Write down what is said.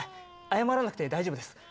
謝らなくて大丈夫です